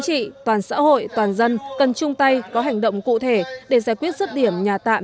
trị toàn xã hội toàn dân cần chung tay có hành động cụ thể để giải quyết rứt điểm nhà tạm